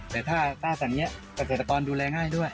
แต่ถ้าศักดิ์นี้ผู้จัดคดรับตาดูแลง่ายด้วย